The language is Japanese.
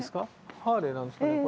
ハーレーなんですかねこれ。